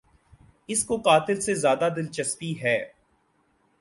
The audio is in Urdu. اس کو قاتل سے زیادہ دلچسپی ہے۔